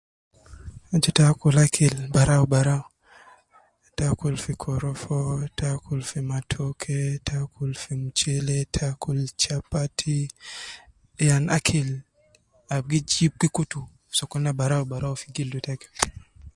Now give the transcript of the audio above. Aju te akul akil barau barau, te akul fi korofo, te akul fi matoke, te akul fi mchele, te akul chapati, yan akil ab gi jib gi kutu sokolin barau barau fi gildu taki